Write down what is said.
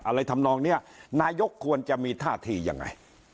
อะไรทำนองเนี่ยนายกควรจะมีท่าที่ยังไง